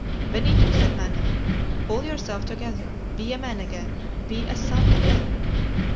"Benito," said Manoel, "pull yourself together! Be a man again! Be a son again!"